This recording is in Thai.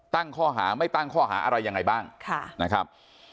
ตั้งข้อหาไม่ตั้งข้อหาอะไรยังไงบ้างนะครับ